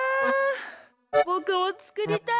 ぼくもつくりたいな。